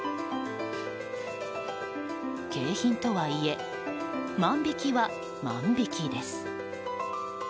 景品とはいえ万引きは万引きです。